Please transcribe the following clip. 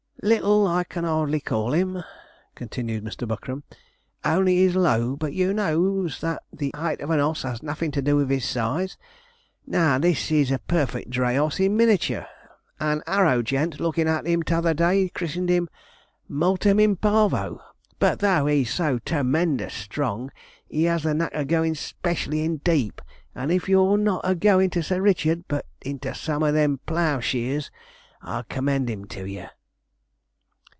'Little I can 'ardly call 'im,' continued Mr. Buckram, 'only he's low; but you knows that the 'eight of an oss has nothin' to do with his size. Now this is a perfect dray oss in miniature. An 'Arrow gent, lookin' at him t'other day christen'd him "Multum in Parvo." But though he's so ter men dous strong, he has the knack o' goin', specially in deep; and if you're not a goin' to Sir Richard, but into some o' them plough sheers (shires), I'd 'commend him to you.'